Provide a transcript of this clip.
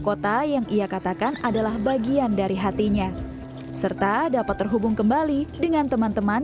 kota yang ia katakan adalah bagian dari hatinya serta dapat terhubung kembali dengan teman teman